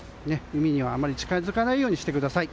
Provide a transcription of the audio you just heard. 海にはあまり近づかないようにしてください。